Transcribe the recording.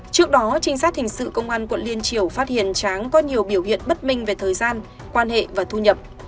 trước đó trinh sát hình sự công an quận liên triều phát hiện tráng có nhiều biểu hiện bất minh về thời gian quan hệ và thu nhập